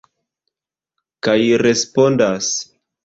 Kaj respondas.